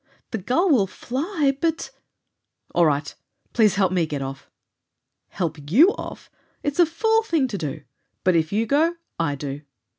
"The Gull will fly, but " "All right. Please help me get off!" "Help you off? It's a fool thing to do! But if you go, I do!"